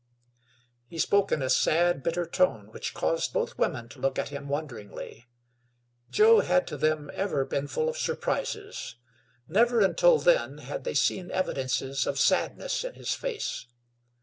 He spoke in a sad, bitter tone which caused both women to look at him wonderingly. Joe had to them ever been full of surprises; never until then had they seen evidences of sadness in his face.